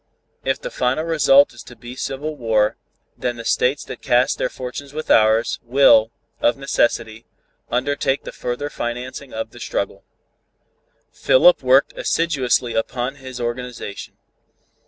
If the final result is to be civil war, then the states that cast their fortunes with ours, will, of necessity, undertake the further financing of the struggle." Philip worked assiduously upon his organization.